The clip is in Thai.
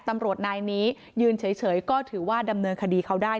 ตำรวจนายนี้ยืนเฉยก็ถือว่าดำเนินคดีเขาได้